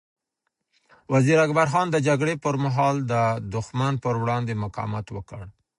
وزیر اکبر خان د جګړې پر مهال د دښمن پر وړاندې مقاومت وکړ.